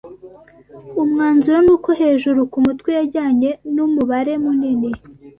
Umwanzuro ni uko hejuru kumutwe yajyanye numubare munini